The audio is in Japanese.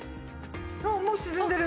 あっもう沈んでる。